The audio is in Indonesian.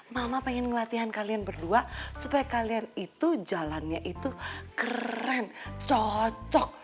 mama pengen ngelatihan kalian berdua supaya kalian itu jalannya itu keren cocok